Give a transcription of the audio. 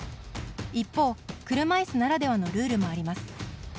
一方、車いすならではのルールもあります。